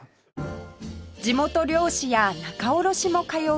地元漁師や仲卸も通うこちら